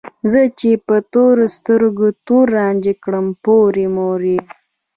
زه چې په تورو سترګو تور رانجه کړم پورې مورې